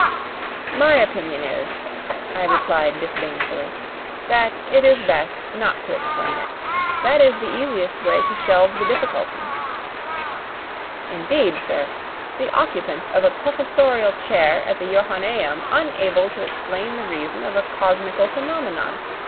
"My opinion is," I replied disdainfully, "that it is best not to explain it. That is the easiest way to shelve the difficulty." "Indeed, sir! The occupant of a professorial chair at the Johannæum unable to explain the reason of a cosmical phenomenon!